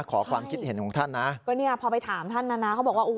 ขอความคิดเห็นของท่านนะยังไงอ่ะพอไปถามท่านแนน้าเขาบอกว่าอุ๊ย